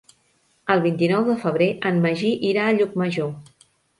El vint-i-nou de febrer en Magí irà a Llucmajor.